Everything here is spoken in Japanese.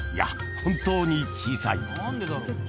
本当に小さい］